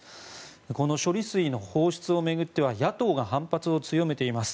この処理水の放出を巡っては野党が反発を強めています。